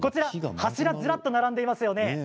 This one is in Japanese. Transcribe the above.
柱がずらっと並んでいますね。